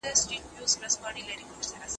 علمي کدرونه هغه کسان دي چي ټولني ته لارښوونه کوي.